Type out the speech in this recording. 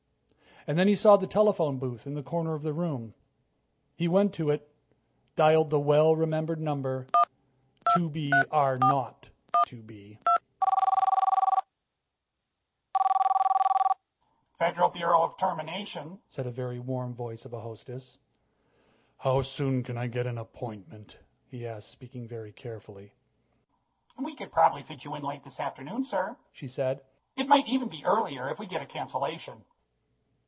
And then he saw the telephone booth in the corner of the room. He went to it, dialed the well remembered number: "2 B R 0 2 B." "Federal Bureau of Termination," said the very warm voice of a hostess. "How soon could I get an appointment?" he asked, speaking very carefully. "We could probably fit you in late this afternoon, sir," she said. "It might even be earlier, if we get a cancellation."